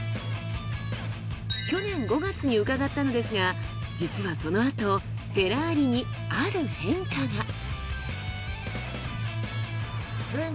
去年５月に伺ったのですが実はそのあとフェラーリにある変化が！